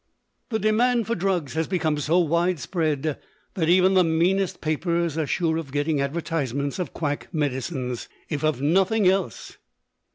The demand for drugs has become so widespread that even the meanest papers are sure of getting advertisements of quack medicines, if of nothing else.